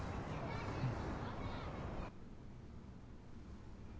うん。